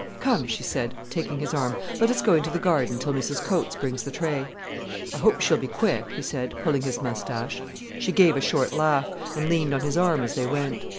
"Come," she said, taking his arm, "let us go into the garden till Mrs Coates brings the tray." "I hope she'll be quick," he said, pulling his moustache. She gave a short laugh, and leaned on his arm as they went.